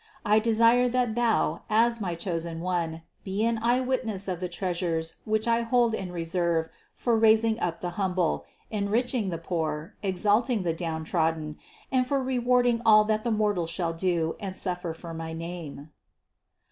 I de sire that thou, as my chosen One, be an eye witness of the treasures which I hold in reserve for raising up the humble, enriching the poor, exalting the downtrodden, and for rewarding all that the mortals shall do and suf fer for my name."